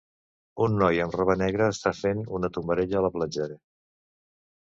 Un noi amb roba negra està fent una tombarella a la platja.